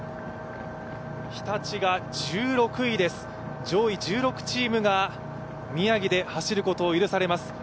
日立が１６位です、上位１６チームが宮城で走ることを許されます。